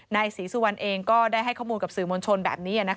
นายศรีสุวรรณเองก็ได้ให้ข้อมูลกับสื่อมวลชนแบบนี้